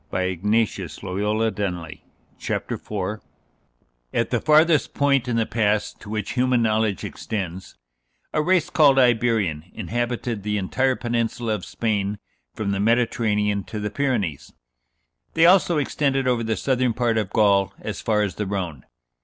THE IBERIAN COLONIES OF ATLANTIS At the farthest point in the past to which human knowledge extends a race called Iberian inhabited the entire peninsula of Spain, from the Mediterranean to the Pyrenees. They also extended over the southern part of Gaul as far as the Rhone.